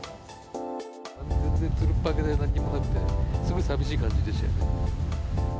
全然つるっぱげで、なんにもなくて、すごいさみしい感じですよね。